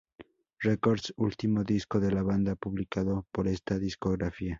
Records, último disco de la banda publicado por esta discográfica.